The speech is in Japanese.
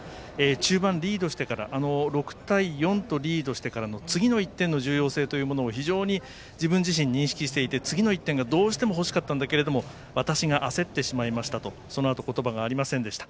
中盤、６対４とリードしてから次の１点の重要性を非常に自分自身認識していて次の１点が欲しかったけど私があせってしまいましたとそのあと言葉がありませんでした。